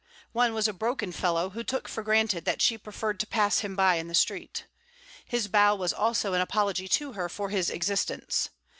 One was a broken fellow who took for granted that she preferred to pass him by in the street. His bow was also an apology to her for his existence.